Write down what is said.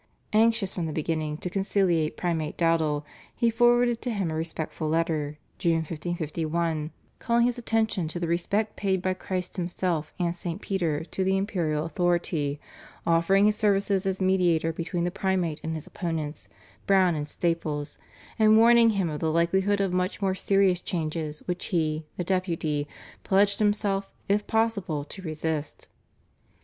Anxious from the beginning to conciliate Primate Dowdall, he forwarded to him a respectful letter (June 1551) calling his attention to the respect paid by Christ Himself and St. Peter to the imperial authority, offering his services as mediator between the Primate and his opponents, Browne and Staples, and warning him of the likelihood of much more serious changes, which he (the Deputy) pledged himself if possible to resist.